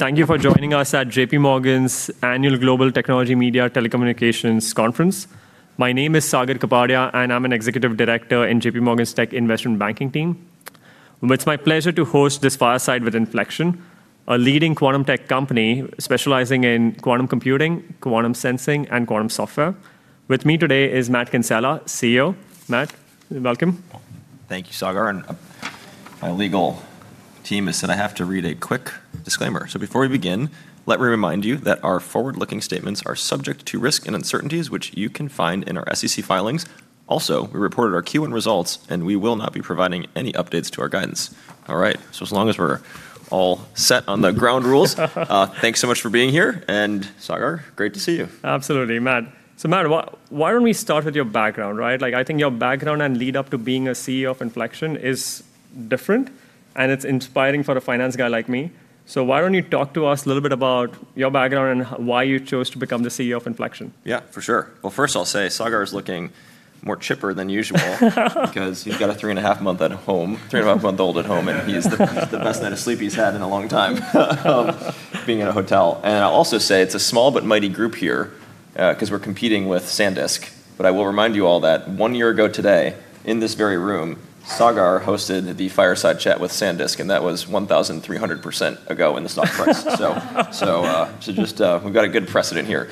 Thank you for joining us at JPMorgan's Annual Global Technology Media Telecommunications Conference. My name is Sagar Kapadia, and I'm an Executive Director in JPMorgan's tech investment banking team. It's my pleasure to host this fireside with Infleqtion, a leading quantum tech company specializing in quantum computing, quantum sensing, and quantum software. With me today is Matthew Kinsella, CEO. Matt, welcome. Thank you, Sagar. My legal team has said I have to read a quick disclaimer. Before we begin, let me remind you that our forward-looking statements are subject to risk and uncertainties, which you can find in our SEC filings. Also, we reported our Q1 results, and we will not be providing any updates to our guidance. All right, as long as we're all set on the ground rules. Thanks so much for being here, and Sagar, great to see you. Absolutely, Matt. Matt, why don't we start with your background? I think your background and lead-up to being a CEO of Infleqtion is different, and it's inspiring for a finance guy like me. Why don't you talk to us a little bit about your background and why you chose to become the CEO of Infleqtion? Yeah, for sure. Well, first I'll say, Sagar is looking more chipper than usual because he's got a three-and-a-half-month-old at home, and it's the best night of sleep he's had in a long time, being in a hotel. I'll also say, it's a small but mighty group here, because we're competing with SanDisk. I will remind you all that 1 year ago today, in this very room, Sagar hosted the fireside chat with SanDisk, and that was 1,300% ago in the stock price. We've got a good precedent here.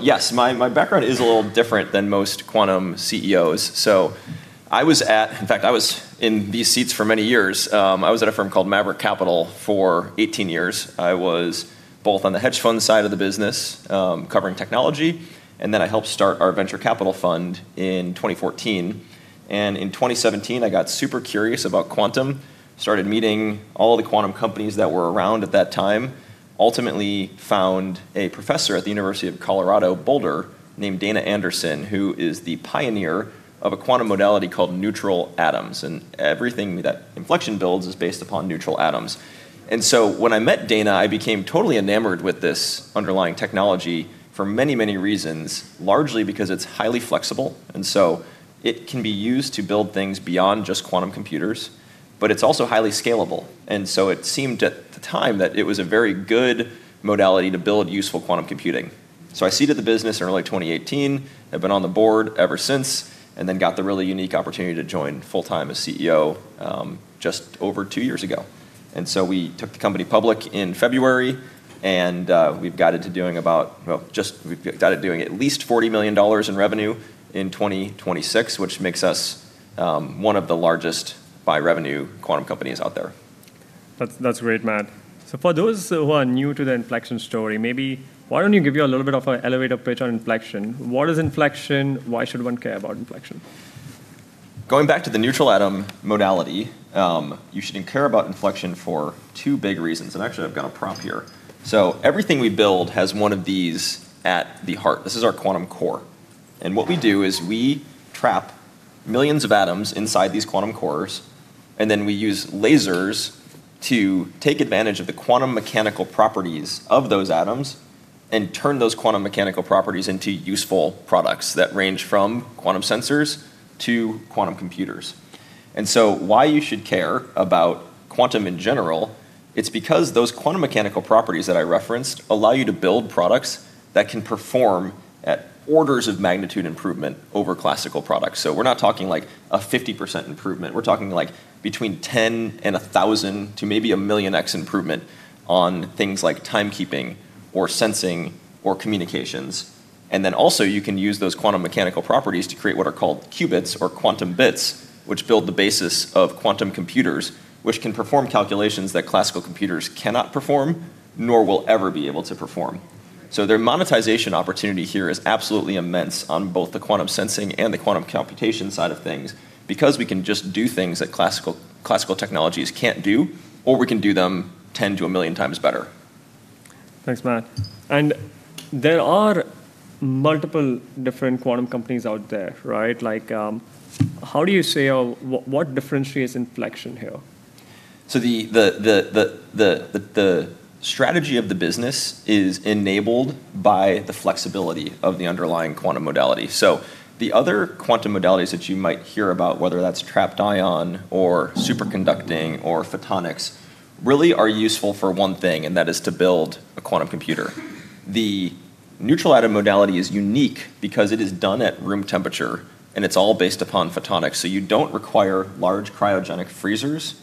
Yes, my background is a little different than most quantum CEOs. In fact, I was in these seats for many years. I was at a firm called Maverick Capital for 18 years. I was both on the hedge fund side of the business, covering technology, and then I helped start our venture capital fund in 2014. In 2017, I got super curious about quantum, started meeting all the quantum companies that were around at that time. Ultimately found a professor at the University of Colorado Boulder named Dana Anderson, who is the pioneer of a quantum modality called neutral atoms, and everything that Infleqtion builds is based upon neutral atoms. When I met Dana, I became totally enamored with this underlying technology for many reasons, largely because it's highly flexible, and so it can be used to build things beyond just quantum computers. It's also highly scalable, and so it seemed at the time that it was a very good modality to build useful quantum computing. I seeded the business in early 2018, have been on the board ever since, and then got the really unique opportunity to join full-time as CEO just over two years ago. We took the company public in February, and we've guided to doing at least $40 million in revenue in 2026, which makes us one of the largest by revenue quantum companies out there. That's great, Matt. For those who are new to the Infleqtion story, maybe why don't you give you a little bit of an elevator pitch on Infleqtion. What is Infleqtion? Why should one care about Infleqtion? Going back to the neutral atom modality, you should care about Infleqtion for two big reasons, actually, I've got a prop here. Everything we build has one of these at the heart. This is our Quantum Core. What we do is we trap millions of atoms inside these Quantum Cores, then we use lasers to take advantage of the quantum mechanical properties of those atoms and turn those quantum mechanical properties into useful products that range from quantum sensors to quantum computers. Why you should care about quantum in general, it's because those quantum mechanical properties that I referenced allow you to build products that can perform at orders of magnitude improvement over classical products. We're not talking a 50% improvement. We're talking between 10 and 1,000 to maybe 1 millionx improvement on things like timekeeping or sensing or communications. Also, you can use those quantum mechanical properties to create what are called qubits or quantum bits, which build the basis of quantum computers, which can perform calculations that classical computers cannot perform nor will ever be able to perform. Their monetization opportunity here is absolutely immense on both the quantum sensing and the quantum computation side of things, because we can just do things that classical technologies can't do, or we can do them 10-1 million times better. Thanks, Matt. There are multiple different quantum companies out there. What differentiates Infleqtion here? The strategy of the business is enabled by the flexibility of the underlying quantum modality. The other quantum modalities that you might hear about, whether that's trapped ion or superconducting or photonics, really are useful for one thing, and that is to build a quantum computer. The neutral atom modality is unique because it is done at room temperature, and it's all based upon photonics. You don't require large cryogenic freezers,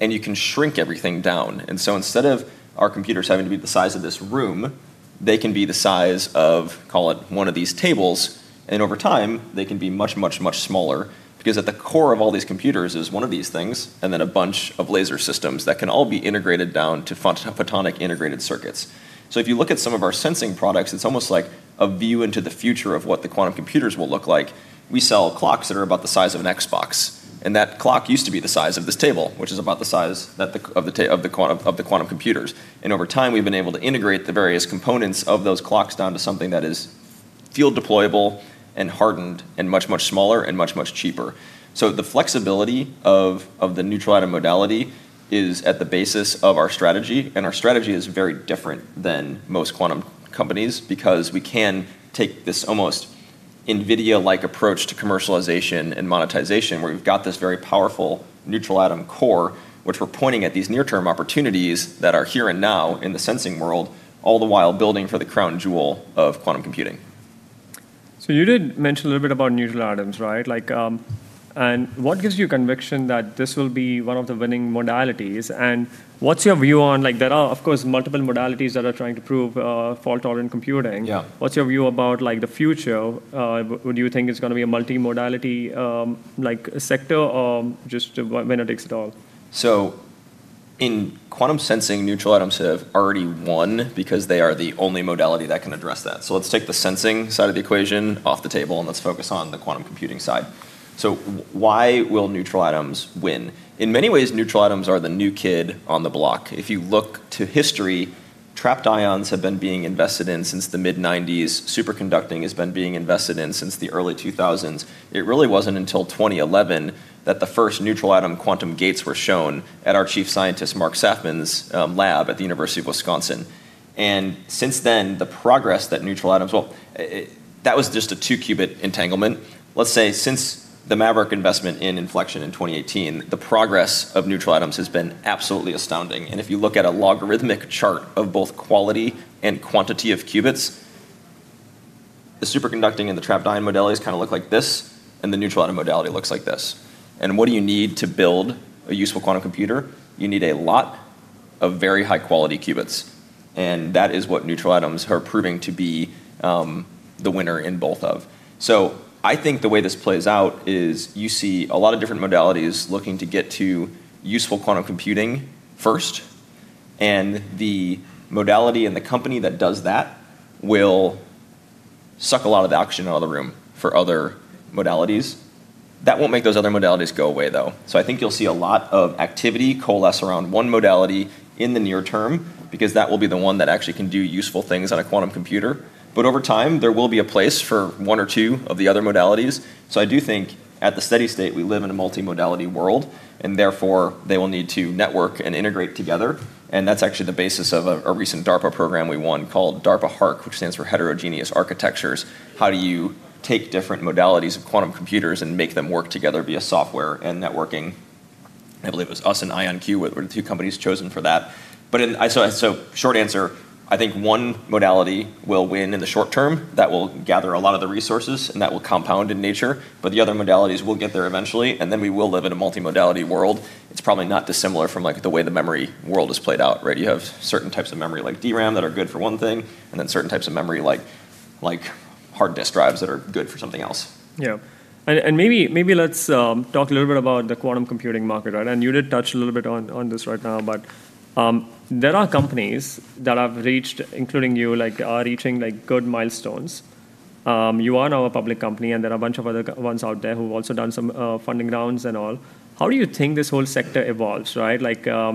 and you can shrink everything down. Instead of our computers having to be the size of this room, they can be the size of, call it, one of these tables, and over time, they can be much smaller. At the core of all these computers is one of these things and then a bunch of laser systems that can all be integrated down to photonic integrated circuits. If you look at some of our sensing products, it's almost like a view into the future of what the quantum computers will look like. We sell clocks that are about the size of an Xbox, that clock used to be the size of this table, which is about the size of the quantum computers. Over time, we've been able to integrate the various components of those clocks down to something that is field deployable and hardened and much, much smaller and much, much cheaper. The flexibility of the neutral atom modality is at the basis of our strategy, and our strategy is very different than most quantum companies because we can take this almost NVIDIA-like approach to commercialization and monetization, where we've got this very powerful neutral atom core, which we're pointing at these near-term opportunities that are here and now in the sensing world, all the while building for the crown jewel of quantum computing. You did mention a little bit about neutral atoms, right? What gives you conviction that this will be one of the winning modalities, and what's your view on there are, of course, multiple modalities that are trying to prove fault-tolerant computing. Yeah. What's your view about the future? Do you think it's going to be a multi-modality sector or just the winner takes it all? In quantum sensing, neutral atoms have already won because they are the only modality that can address that. Let's take the sensing side of the equation off the table and let's focus on the quantum computing side. Why will neutral atoms win? In many ways, neutral atoms are the new kid on the block. If you look to history, trapped ions have been being invested in since the mid-90s. Superconducting has been being invested in since the early 2000s. It really wasn't until 2011 that the first neutral atom quantum gates were shown at our Chief Scientist, Mark Saffman's lab at the University of Wisconsin. Since then, the progress that neutral atoms Well, that was just a two-qubit entanglement. Let's say since the Maverick investment in Infleqtion in 2018, the progress of neutral atoms has been absolutely astounding. If you look at a logarithmic chart of both quality and quantity of qubits, the superconducting and the trapped ion modalities kind of look like this, and the neutral atom modality looks like this. What do you need to build a useful quantum computer? You need a lot of very high-quality qubits, and that is what neutral atoms are proving to be the winner in both of. I think the way this plays out is you see a lot of different modalities looking to get to useful quantum computing first, and the modality and the company that does that will suck a lot of the oxygen out of the room for other modalities. That won't make those other modalities go away, though. I think you'll see a lot of activity coalesce around one modality in the near term, because that will be the one that actually can do useful things on a quantum computer. Over time, there will be a place for one or two of the other modalities. I do think at the steady state, we live in a multi-modality world, and therefore, they will need to network and integrate together. That's actually the basis of a recent DARPA program we won called DARPA HARQ, which stands for Heterogeneous Architectures. How do you take different modalities of quantum computers and make them work together via software and networking? I believe it was us and IonQ were the two companies chosen for that. Short answer, I think one modality will win in the short term that will gather a lot of the resources, and that will compound in nature, but the other modalities will get there eventually, and then we will live in a multi-modality world. It's probably not dissimilar from the way the memory world is played out, right? You have certain types of memory, like DRAM, that are good for one thing, and then certain types of memory, like hard disk drives, that are good for something else. Yeah. Maybe let's talk a little bit about the quantum computing market, right? You did touch a little bit on this right now, but there are companies that have reached, including you, are reaching good milestones. You are now a public company, and there are a bunch of other ones out there who've also done some funding rounds and all. How do you think this whole sector evolves, right? How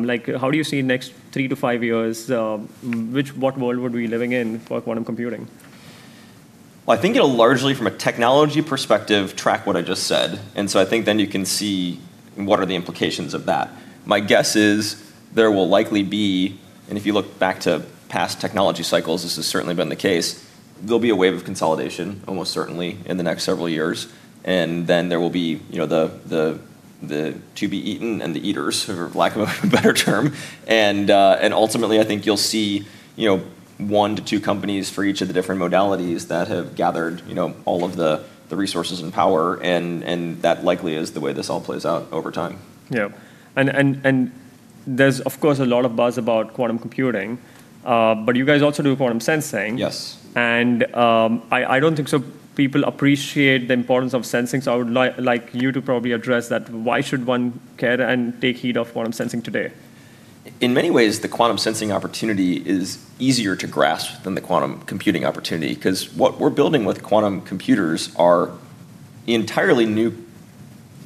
do you see next three to five years? What world would we be living in for quantum computing? Well, I think it'll largely, from a technology perspective, track what I just said. I think then you can see what are the implications of that. My guess is there will likely be, and if you look back to past technology cycles, this has certainly been the case, there'll be a wave of consolidation almost certainly in the next several years. Then there will be the to-be-eaten and the eaters, for lack of a better term. Ultimately, I think you'll see one to two companies for each of the different modalities that have gathered all of the resources and power and that likely is the way this all plays out over time. Yeah. There's of course a lot of buzz about quantum computing, but you guys also do quantum sensing. Yes. I don't think people appreciate the importance of sensing, so I would like you to probably address that. Why should one care and take heed of quantum sensing today? In many ways, the quantum sensing opportunity is easier to grasp than the quantum computing opportunity, because what we're building with quantum computers are entirely new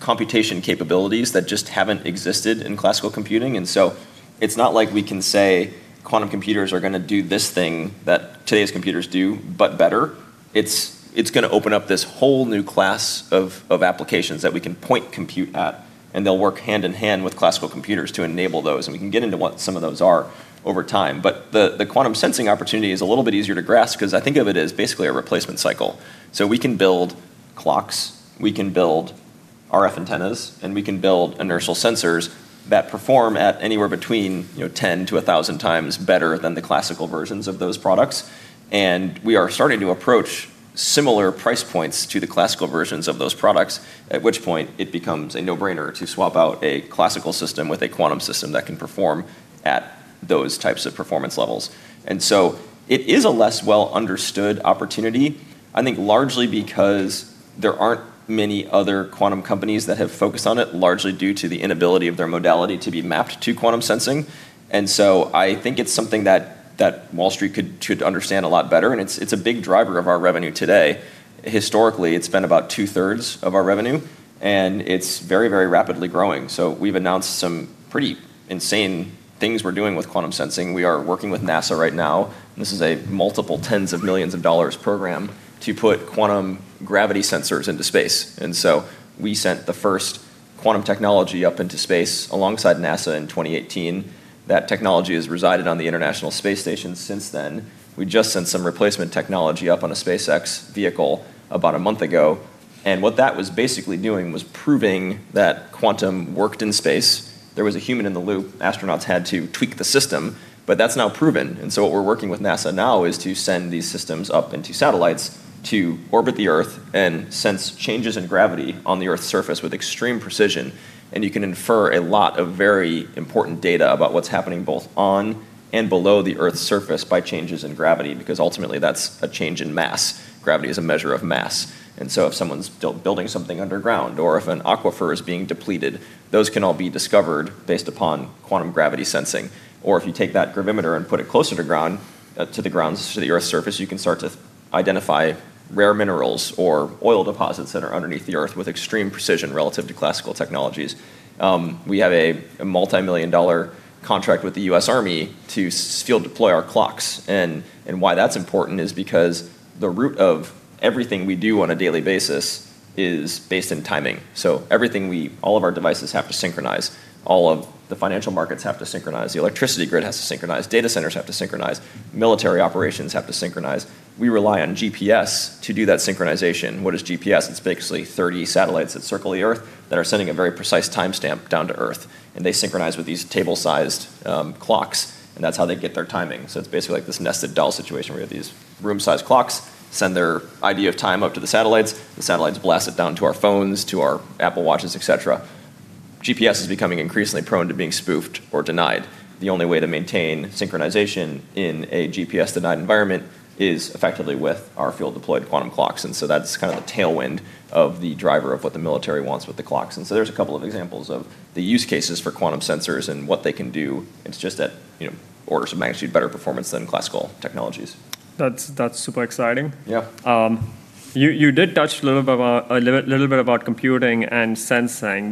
computation capabilities that just haven't existed in classical computing. It's not like we can say quantum computers are going to do this thing that today's computers do, but better. It's going to open up this whole new class of applications that we can point compute at, and they'll work hand-in-hand with classical computers to enable those. We can get into what some of those are over time. The quantum sensing opportunity is a little bit easier to grasp because I think of it as basically a replacement cycle. We can build clocks, we can build RF antennas, and we can build inertial sensors that perform at anywhere between 10 to 1,000 times better than the classical versions of those products. We are starting to approach similar price points to the classical versions of those products, at which point it becomes a no-brainer to swap out a classical system with a quantum system that can perform at those types of performance levels. It is a less well-understood opportunity, I think largely because there aren't many other quantum companies that have focused on it, largely due to the inability of their modality to be mapped to quantum sensing. I think it's something that Wall Street should understand a lot better, and it's a big driver of our revenue today. Historically, it's been about 2/3 of our revenue, and it's very, very rapidly growing. We've announced some pretty insane things we're doing with quantum sensing. We are working with NASA right now, and this is a multiple tens of millions of dollars program, to put quantum gravity sensors into space. We sent the first quantum technology up into space alongside NASA in 2018. That technology has resided on the International Space Station since then. We just sent some replacement technology up on a SpaceX vehicle about one month ago, and what that was basically doing was proving that quantum worked in space. There was a human in the loop. Astronauts had to tweak the system, but that's now proven. What we're working with NASA now is to send these systems up into satellites to orbit the Earth and sense changes in gravity on the Earth's surface with extreme precision. You can infer a lot of very important data about what's happening both on and below the Earth's surface by changes in gravity, because ultimately that's a change in mass. Gravity is a measure of mass. If someone's building something underground, or if an aquifer is being depleted, those can all be discovered based upon quantum gravity sensing. If you take that gravimeter and put it closer to the Earth's surface, you can start to identify rare minerals or oil deposits that are underneath the Earth with extreme precision relative to classical technologies. We have a multi-million-dollar contract with the U.S. Army to field deploy our clocks. Why that's important is because the root of everything we do on a daily basis is based in timing. Everything, all of our devices have to synchronize, all of the financial markets have to synchronize, the electricity grid has to synchronize, data centers have to synchronize, military operations have to synchronize. We rely on GPS to do that synchronization. What is GPS? It's basically 30 satellites that circle the Earth that are sending a very precise timestamp down to Earth, and they synchronize with these table-sized clocks, and that's how they get their timing. It's basically like this nested doll situation where these room-sized clocks send their idea of time up to the satellites, the satellites blast it down to our phones, to our Apple Watches, et cetera. GPS is becoming increasingly prone to being spoofed or denied. The only way to maintain synchronization in a GPS-denied environment is effectively with our field-deployed quantum clocks. That's the tailwind of the driver of what the military wants with the clocks. There's a couple of examples of the use cases for quantum sensors and what they can do. It's just that orders of magnitude better performance than classical technologies. That's super exciting. Yeah. You did touch a little bit about computing and sensing,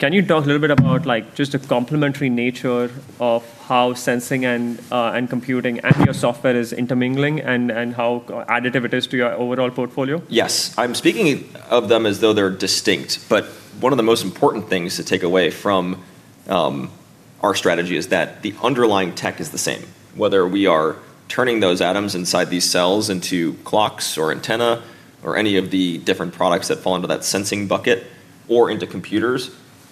but can you talk a little bit about just the complementary nature of how sensing and computing and your software is intermingling, and how additive it is to your overall portfolio? Yes. I'm speaking of them as though they're distinct, but one of the most important things to take away from our strategy is that the underlying tech is the same. Whether we are turning those atoms inside these cells into clocks or antenna or any of the different products that fall into that sensing bucket or into computers,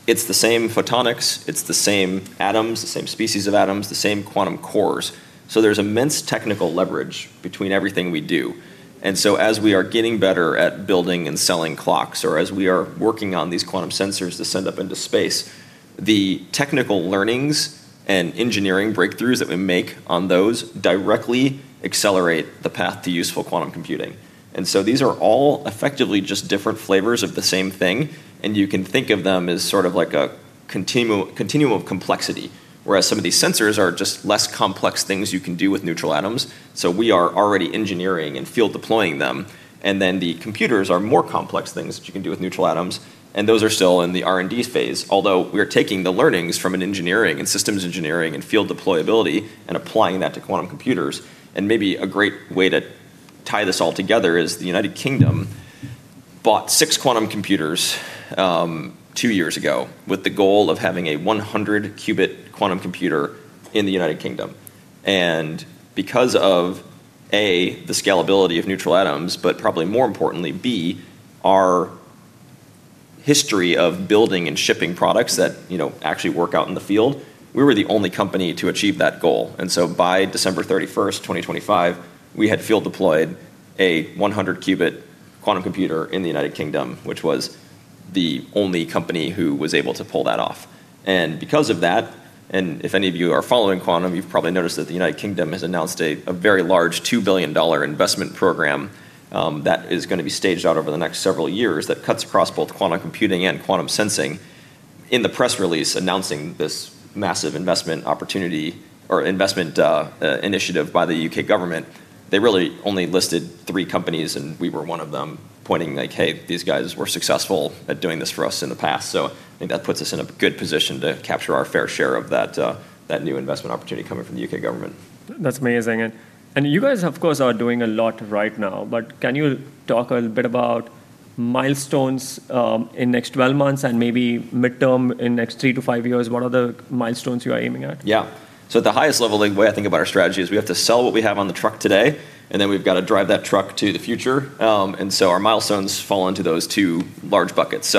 it's the same photonics, it's the same atoms, the same species of atoms, the same Quantum Cores. There's immense technical leverage between everything we do. As we are getting better at building and selling clocks, or as we are working on these quantum sensors to send up into space, the technical learnings and engineering breakthroughs that we make on those directly accelerate the path to useful quantum computing. These are all effectively just different flavors of the same thing, and you can think of them as sort of like a continuum of complexity. Some of these sensors are just less complex things you can do with neutral atoms. We are already engineering and field deploying them, and then the computers are more complex things that you can do with neutral atoms, and those are still in the R&D phase. We are taking the learnings from an engineering and systems engineering and field deployability and applying that to quantum computers. Maybe a great way to tie this all together is the United Kingdom bought six quantum computers two years ago with the goal of having a 100-qubit quantum computer in the United Kingdom. Because of, A, the scalability of neutral atoms, but probably more importantly, B, our history of building and shipping products that actually work out in the field, we were the only company to achieve that goal. By December 31st, 2025, we had field deployed a 100-qubit quantum computer in the United Kingdom, which was the only company who was able to pull that off. Because of that, if any of you are following quantum, you've probably noticed that the United Kingdom has announced a very large GBP 2 billion investment program that is going to be staged out over the next several years that cuts across both quantum computing and quantum sensing. In the press release announcing this massive investment opportunity or investment initiative by the U.K. government, they really only listed three companies, and we were one of them, pointing like, "Hey, these guys were successful at doing this for us in the past." I think that puts us in a good position to capture our fair share of that new investment opportunity coming from the U.K. government. That's amazing. You guys, of course, are doing a lot right now, but can you talk a little bit about milestones in next 12 months and maybe midterm in next three to five years, what are the milestones you are aiming at? Yeah. At the highest level, the way I think about our strategy is we have to sell what we have on the truck today, and then we've got to drive that truck to the future. Our milestones fall into those two large buckets.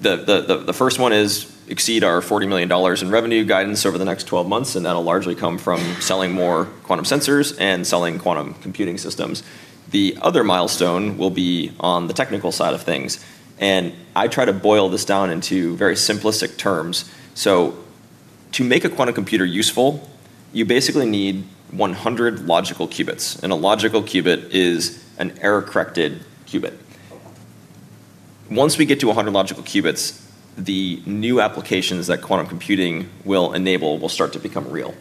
The first one is exceed our $40 million in revenue guidance over the next 12 months, and that'll largely come from selling more quantum sensors and selling quantum computing systems. The other milestone will be on the technical side of things and I try to boil this down into very simplistic terms. To make a quantum computer useful, you basically need 100 logical qubits, and a logical qubit is an error-corrected qubit. Once we get to 100 logical qubits, the new applications that quantum computing will enable will start to become real.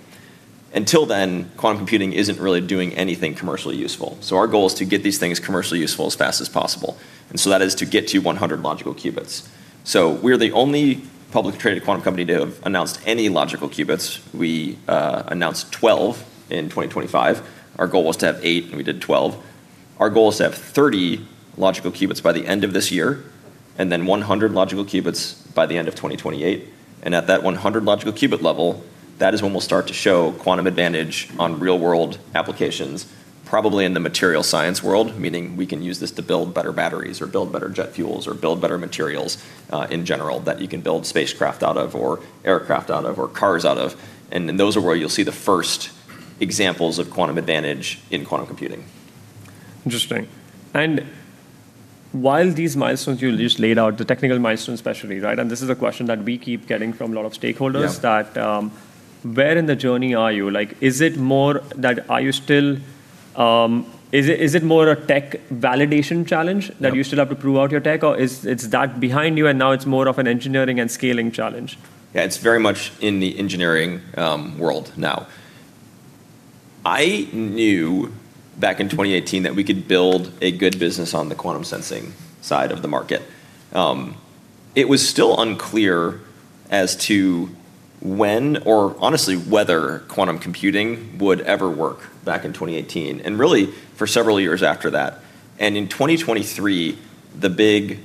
Until then, quantum computing isn't really doing anything commercially useful. Our goal is to get these things commercially useful as fast as possible. That is to get to 100 logical qubits. We're the only publicly traded quantum company to have announced any logical qubits. We announced 12 in 2025. Our goal was to have eight, and we did 12. Our goal is to have 30 logical qubits by the end of this year, and then 100 logical qubits by the end of 2028. At that 100 logical qubit level, that is when we'll start to show quantum advantage on real-world applications, probably in the material science world, meaning we can use this to build better batteries or build better jet fuels, or build better materials in general that you can build spacecraft out of, or aircraft out of, or cars out of. Those are where you'll see the first examples of quantum advantage in quantum computing. Interesting. While these milestones you just laid out, the technical milestones especially, this is a question that we keep getting from a lot of stakeholders. Yeah that where in the journey are you? Is it more a tech validation challenge. No You still have to prove out your tech, or it's that behind you, and now it's more of an engineering and scaling challenge? Yeah, it's very much in the engineering world now. I knew back in 2018 that we could build a good business on the quantum sensing side of the market. It was still unclear as to when or honestly, whether quantum computing would ever work back in 2018, and really for several years after that. In 2023, the big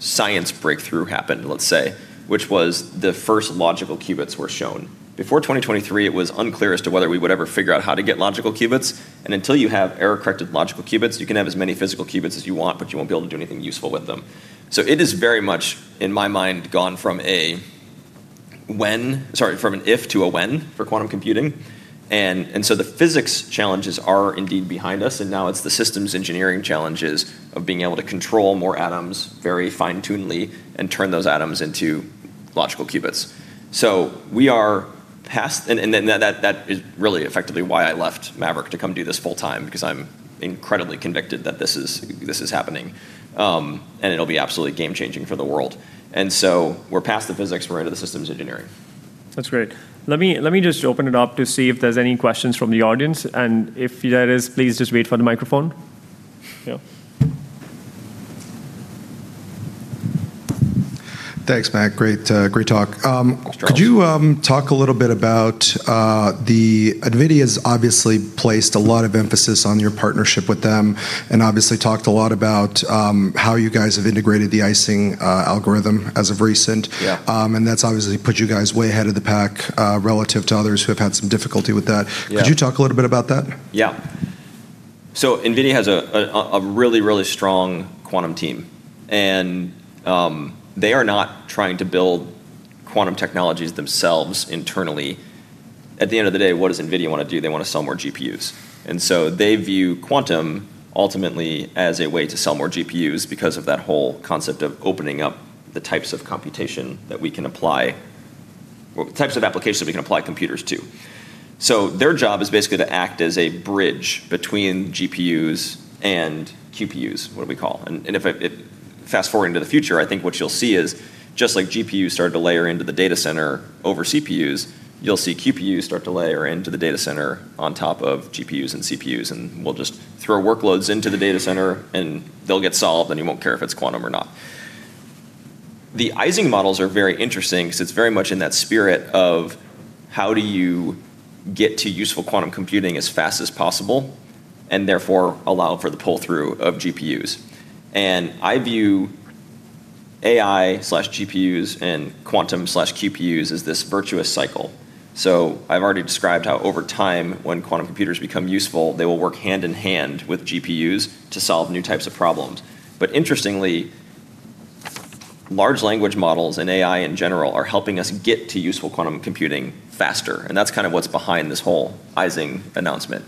science breakthrough happened, let's say, which was the first logical qubits were shown. Before 2023, it was unclear as to whether we would ever figure out how to get logical qubits, and until you have error-corrected logical qubits, you can have as many physical qubits as you want, but you won't be able to do anything useful with them. It has very much, in my mind, gone from an if to a when for quantum computing. The physics challenges are indeed behind us. Now it's the systems engineering challenges of being able to control more atoms, very fine-tunely and turn those atoms into logical qubits. We are past. That is really effectively why I left Maverick to come do this full time because I'm incredibly convicted that this is happening. It'll be absolutely game-changing for the world. We're past the physics, we're into the systems engineering. That's great. Let me just open it up to see if there's any questions from the audience, and if there is, please just wait for the microphone. Yeah. Thanks, Matt. Great talk. Thanks, Charles. Could you talk a little bit about, the NVIDIA's obviously placed a lot of emphasis on your partnership with them and obviously talked a lot about how you guys have integrated the Ising algorithm as of recent? Yeah. That's obviously put you guys way ahead of the pack, relative to others who have had some difficulty with that. Yeah. Could you talk a little bit about that? Yeah. NVIDIA has a really strong quantum team, and they are not trying to build quantum technologies themselves internally. At the end of the day, what does NVIDIA want to do? They want to sell more GPUs. They view quantum ultimately as a way to sell more GPUs because of that whole concept of opening up the types of computation that we can apply, or types of applications we can apply computers to. Their job is basically to act as a bridge between GPUs and QPUs, what we call. If I fast-forward into the future, I think what you'll see is just like GPUs started to layer into the data center over CPUs, you'll see QPUs start to layer into the data center on top of GPUs and CPUs, and we'll just throw workloads into the data center, and they'll get solved, and you won't care if it's quantum or not. The Ising models are very interesting because it's very much in that spirit of how do you get to useful quantum computing as fast as possible, and therefore allow for the pull-through of GPUs. I view AI/GPUs and quantum/QPUs as this virtuous cycle. I've already described how over time, when quantum computers become useful, they will work hand in hand with GPUs to solve new types of problems. Interestingly, large language models and AI, in general, are helping us get to useful quantum computing faster, and that's kind of what's behind this whole Ising announcement.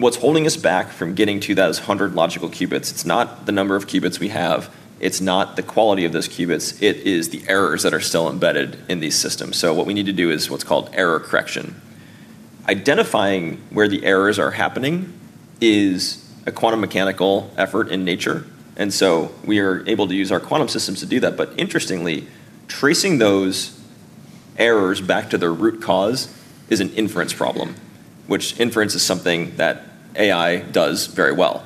What's holding us back from getting to that is 100 logical qubits. It's not the number of qubits we have. It's not the quality of those qubits. It is the errors that are still embedded in these systems. What we need to do is what's called error correction. Identifying where the errors are happening is a quantum mechanical effort in nature, we are able to use our quantum systems to do that. Interestingly, tracing those errors back to their root cause is an inference problem, which inference is something that AI does very well.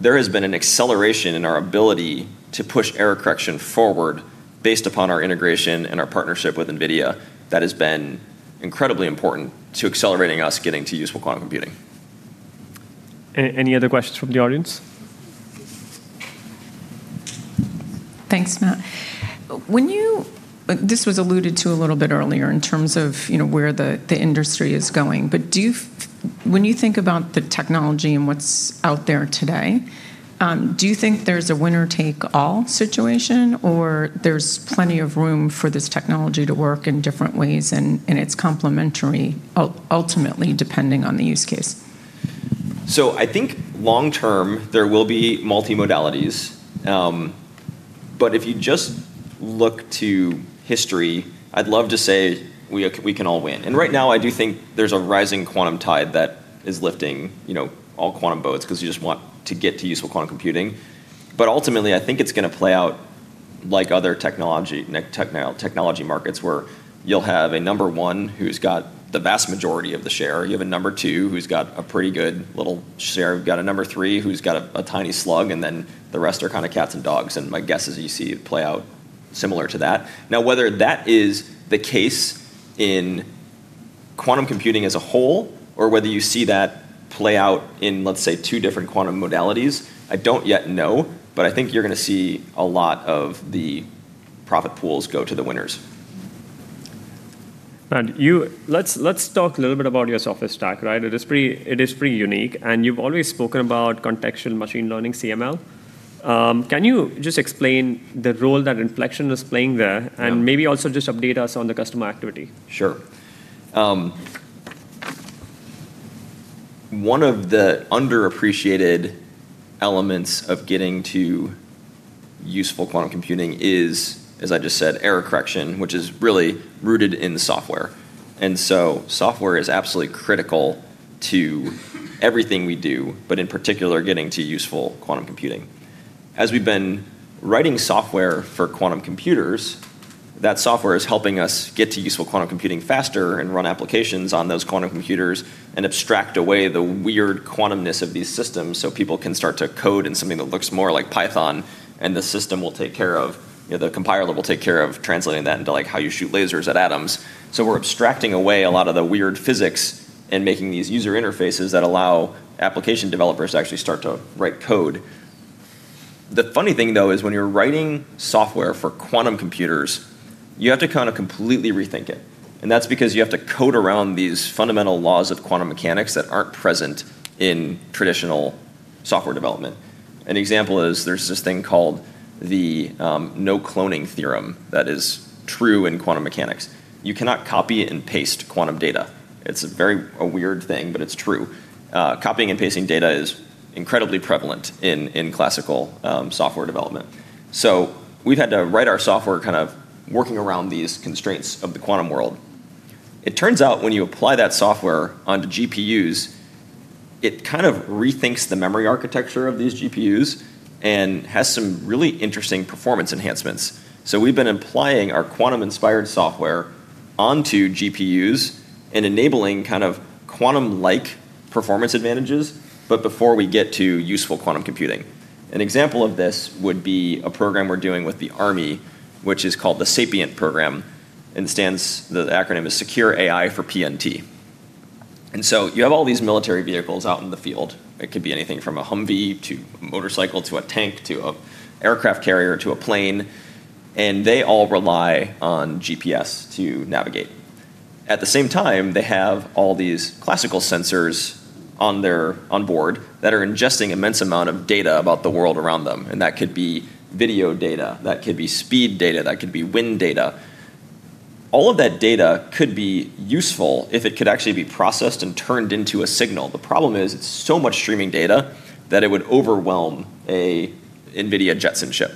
There has been an acceleration in our ability to push error correction forward based upon our integration and our partnership with NVIDIA that has been incredibly important to accelerating us getting to useful quantum computing. Any other questions from the audience? Yes. Thanks, Matt. This was alluded to a little bit earlier in terms of where the industry is going. When you think about the technology and what's out there today, do you think there's a winner-take-all situation, or there's plenty of room for this technology to work in different ways and it's complementary, ultimately, depending on the use case? I think long term, there will be multi-modalities. If you just look to history, I'd love to say we can all win. Right now, I do think there's a rising quantum tide that is lifting all quantum boats because you just want to get to useful quantum computing. Ultimately, I think it's going to play out like other technology markets where you'll have a number one who's got the vast majority of the share. You have a number two who's got a pretty good little share. You've got a number three who's got a tiny slug, and then the rest are kind of cats and dogs. My guess is you see it play out similar to that. Whether that is the case in quantum computing as a whole, or whether you see that play out in, let's say, two different quantum modalities, I don't yet know. I think you're going to see a lot of the profit pools go to the winners. Let's talk a little bit about your software stack. It is pretty unique, and you've always spoken about Contextual Machine Learning, CML. Can you just explain the role that Infleqtion is playing there? Yeah. Maybe also just update us on the customer activity. Sure. One of the underappreciated elements of getting to useful quantum computing is, as I just said, error correction, which is really rooted in the software. Software is absolutely critical to everything we do, but in particular, getting to useful quantum computing. As we've been writing software for quantum computers, that software is helping us get to useful quantum computing faster and run applications on those quantum computers and abstract away the weird quantumness of these systems so people can start to code in something that looks more like Python and the compiler will take care of translating that into how you shoot lasers at atoms. We're abstracting away a lot of the weird physics and making these user interfaces that allow application developers to actually start to write code. The funny thing, though, is when you're writing software for quantum computers, you have to completely rethink it. That's because you have to code around these fundamental laws of quantum mechanics that aren't present in traditional software development. An example is there's this thing called the no-cloning theorem that is true in quantum mechanics. You cannot copy and paste quantum data. It's a very weird thing, but it's true. Copying and pasting data is incredibly prevalent in classical software development. We've had to write our software kind of working around these constraints of the quantum world. It turns out when you apply that software onto GPUs, it kind of rethinks the memory architecture of these GPUs and has some really interesting performance enhancements. We've been applying our quantum-inspired software onto GPUs and enabling quantum-like performance advantages, but before we get to useful quantum computing. An example of this would be a program we're doing with the Army, which is called the SAPIENT program, and the acronym is Secure AI for PNT. You have all these military vehicles out in the field. It could be anything from a Humvee to a motorcycle to a tank to an aircraft carrier to a plane, and they all rely on GPS to navigate. At the same time, they have all these classical sensors on board that are ingesting immense amount of data about the world around them, and that could be video data, that could be speed data, that could be wind data. All of that data could be useful if it could actually be processed and turned into a signal. The problem is it's so much streaming data that it would overwhelm a NVIDIA Jetson chip.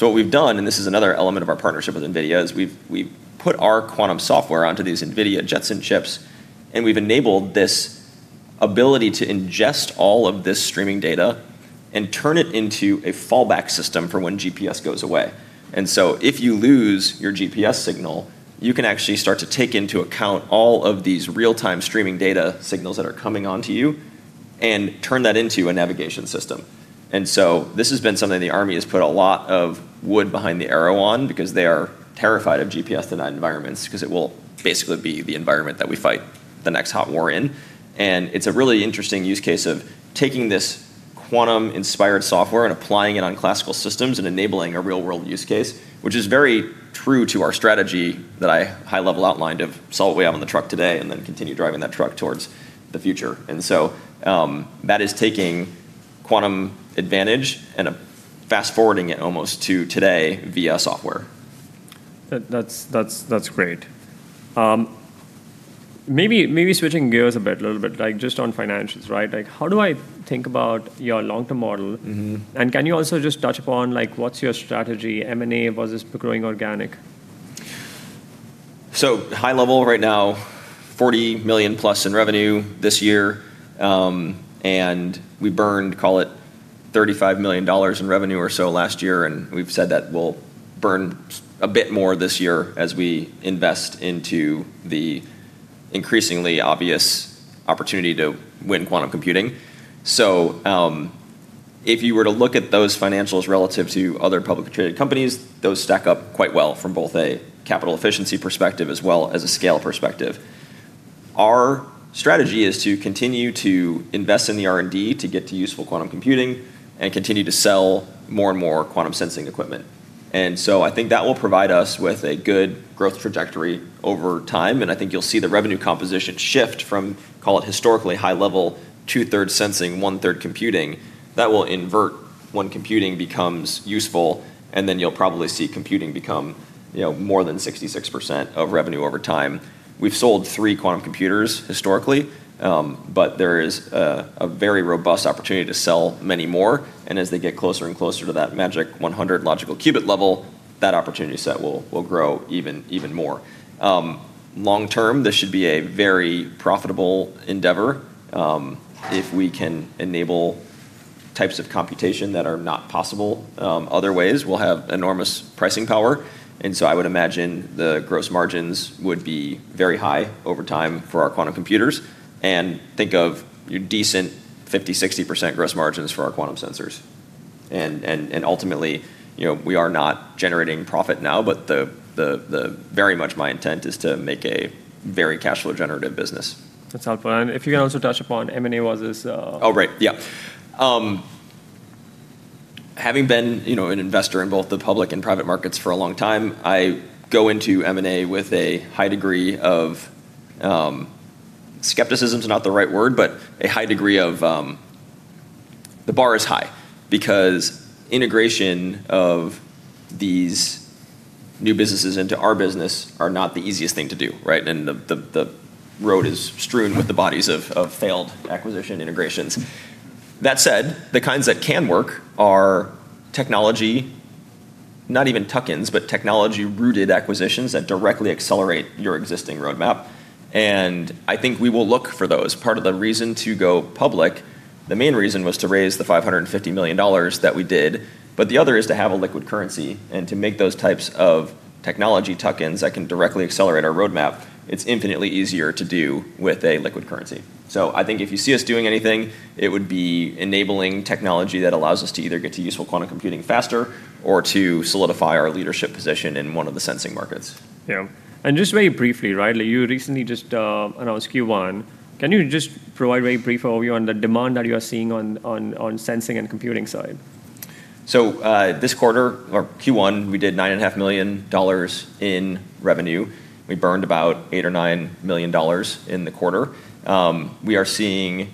What we've done, this is another element of our partnership with NVIDIA, is we've put our quantum software onto these NVIDIA Jetson chips, we've enabled this ability to ingest all of this streaming data and turn it into a fallback system for when GPS goes away. If you lose your GPS signal, you can actually start to take into account all of these real-time streaming data signals that are coming onto you and turn that into a navigation system. This has been something the Army has put a lot of wood behind the arrow on because they are terrified of GPS-denied environments because it will basically be the environment that we fight the next hot war in. It's a really interesting use case of taking this quantum-inspired software and applying it on classical systems and enabling a real-world use case, which is very true to our strategy that I high level outlined of sell what we have on the truck today and then continue driving that truck towards the future. That is taking quantum advantage and fast-forwarding it almost to today via software. That's great. Maybe switching gears a little bit, just on financials. How do I think about your long-term model? Can you also just touch upon what's your strategy? M&A, versus growing organic? High level right now, $40 million+ in revenue this year. We burned, call it $35 million in revenue or so last year, and we've said that we'll burn a bit more this year as we invest into the increasingly obvious opportunity to win quantum computing. If you were to look at those financials relative to other publicly traded companies, those stack up quite well from both a capital efficiency perspective as well as a scale perspective. Our strategy is to continue to invest in the R&D to get to useful quantum computing and continue to sell more and more quantum sensing equipment. I think that will provide us with a good growth trajectory over time, and I think you'll see the revenue composition shift from, call it historically high level, 2/3 sensing, 1/3 computing. That will invert when computing becomes useful, then you'll probably see computing become more than 66% of revenue over time. We've sold 3 quantum computers historically, but there is a very robust opportunity to sell many more. As they get closer and closer to that magic 100 logical qubit level, that opportunity set will grow even more. Long term, this should be a very profitable endeavor. If we can enable types of computation that are not possible other ways, we'll have enormous pricing power, and so I would imagine the gross margins would be very high over time for our quantum computers. Think of your decent 50%-60% gross margins for our quantum sensors. Ultimately, we are not generating profit now, but very much my intent is to make a very cash flow generative business. That's helpful. If you can also touch upon M&A. Oh, right. Yeah. Having been an investor in both the public and private markets for a long time, I go into M&A with a high degree of, skepticism is not the right word, but the bar is high because integration of these new businesses into our business are not the easiest thing to do. The road is strewn with the bodies of failed acquisition integrations. That said, the kinds that can work are technology, not even tuck-ins, but technology-rooted acquisitions that directly accelerate your existing roadmap. I think we will look for those. Part of the reason to go public, the main reason was to raise the $550 million that we did. The other is to have a liquid currency and to make those types of technology tuck-ins that can directly accelerate our roadmap. It's infinitely easier to do with a liquid currency. I think if you see us doing anything, it would be enabling technology that allows us to either get to useful quantum computing faster or to solidify our leadership position in one of the sensing markets. Yeah. Just very briefly, you recently just announced Q1. Can you just provide very brief overview on the demand that you are seeing on sensing and computing side? This quarter or Q1, we did $9.5 million in revenue. We burned about $8 million or $9 million in the quarter. We are seeing,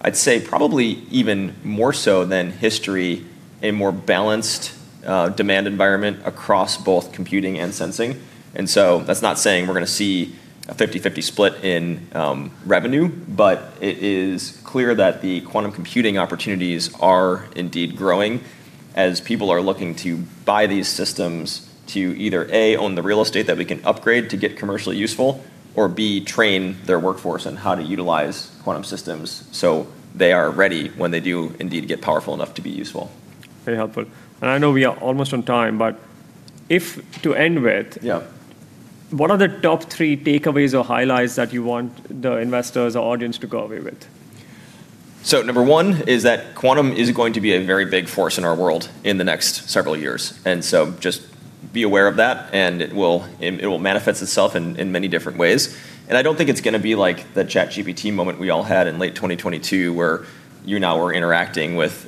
I'd say probably even more so than history, a more balanced demand environment across both computing and sensing. That's not saying we're going to see a 50/50 split in revenue, but it is clear that the quantum computing opportunities are indeed growing as people are looking to buy these systems to either, A, own the real estate that we can upgrade to get commercially useful, or B, train their workforce on how to utilize quantum systems so they are ready when they do indeed get powerful enough to be useful. Very helpful. I know we are almost on time, but if to end with. Yeah What are the top three takeaways or highlights that you want the investors or audience to go away with? Number one is that quantum is going to be a very big force in our world in the next several years. Just be aware of that, and it will manifest itself in many different ways. I don't think it's going to be like the ChatGPT moment we all had in late 2022 where you now are interacting with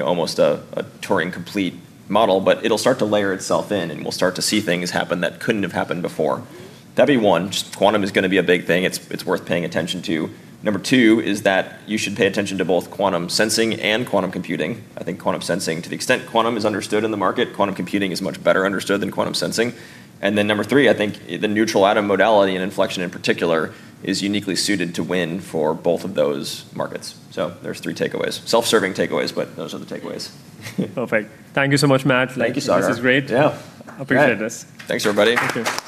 almost a Turing complete model, but it'll start to layer itself in, and we'll start to see things happen that couldn't have happened before. That'd be one, just quantum is going to be a big thing. It's worth paying attention to. Number two is that you should pay attention to both quantum sensing and quantum computing. I think quantum sensing, to the extent quantum is understood in the market, quantum computing is much better understood than quantum sensing. Number three, I think the neutral atom modality and Infleqtion in particular is uniquely suited to win for both of those markets. There's three takeaways, self-serving takeaways, but those are the takeaways. Perfect. Thank you so much, Matt. Thank you, Sagar. This was great. Yeah. Appreciate this. Thanks, everybody. Thank you.